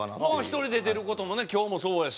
１人で出る事もね今日もそうやし。